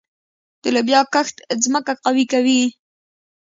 د لوبیا کښت ځمکه قوي کوي.